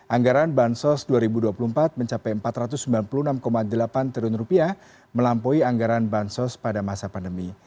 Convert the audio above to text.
anggaran bansos dua ribu dua puluh empat mencapai rp empat ratus sembilan puluh enam delapan triliun melampaui anggaran bansos pada masa pandemi